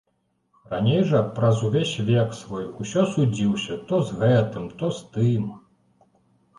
Раней жа праз увесь век свой усё судзіўся то з гэтым, то з тым.